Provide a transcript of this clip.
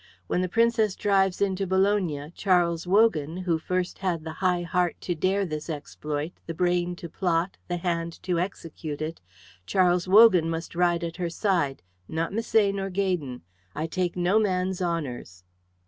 "When the Princess drives into Bologna, Charles Wogan, who first had the high heart to dare this exploit, the brain to plot, the hand to execute it, Charles Wogan must ride at her side, not Misset, not Gaydon. I take no man's honours."